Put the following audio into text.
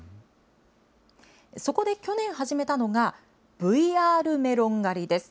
そこで去年始めたのが、ＶＲメロン狩りです。